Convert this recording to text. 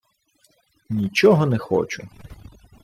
— Нічого не хочу.